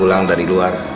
pulang dari luar